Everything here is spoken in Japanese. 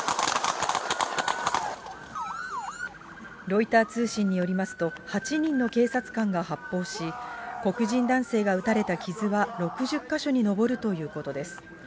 ロイター通信によりますと、８人の警察官が発砲し、黒人男性が撃たれた傷は６０か所に上るということです。